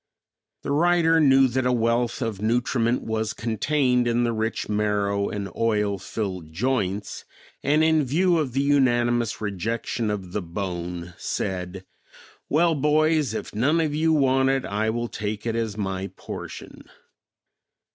The writer knew that a wealth of nutriment was contained in the rich marrow and oil filled joints, and in view of the unanimous rejection of the bone, said, "Well, boys, if none of you want it, I will take it as my portion."